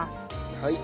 はい。